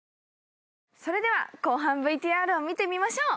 それでは後半ＶＴＲを見てみましょう！